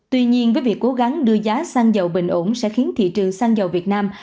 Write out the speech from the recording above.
tuy nhiên với việc cố gắng đưa giá xăng dầu bình ổn sẽ khiến thị trường xăng dầu việt nam